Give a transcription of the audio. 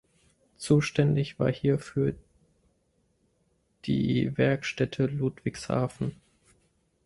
Zuständig war hierfür die Werkstätte Ludwigshafen.